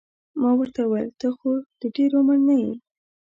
ما ورته وویل ته خو د ډېر عمر نه یې.